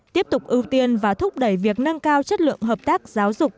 tiếp tục ưu tiên và thúc đẩy việc nâng cao chất lượng hợp tác giáo dục